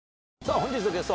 本日のゲスト。